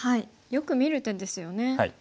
よく見る手ですよね。